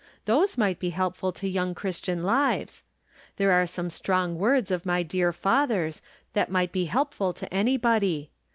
Those might be helpful to young Christian lives. There are some strong words of my dear father's, that might be helpful to anybody.